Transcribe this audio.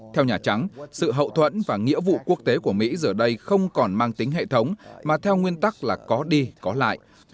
theo nhà trắng sự hậu thuẫn và nghĩa vụ quốc tế của mỹ giờ đây không còn mang tính hệ thống mà theo nguyên tắc là có đi có lại